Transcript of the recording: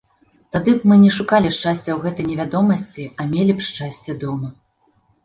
Тады б мы не шукалі шчасця ў гэтай невядомасці, а мелі б шчасце дома.